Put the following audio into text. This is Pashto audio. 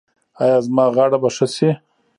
ایا زما غاړه به ښه شي؟